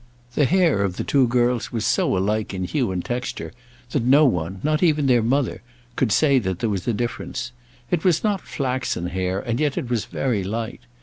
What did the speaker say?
The hair of the two girls was so alike in hue and texture, that no one, not even their mother, could say that there was a difference. It was not flaxen hair, and yet it was very light.